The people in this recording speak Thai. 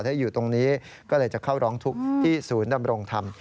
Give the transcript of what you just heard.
ถ้าอยู่ตรงนี้ก็เลยจะเข้าร้องทุกข์ที่ศูนย์ดำรงธรรม